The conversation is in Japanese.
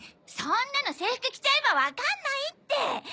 そんなの制服着ちゃえばわかんないって！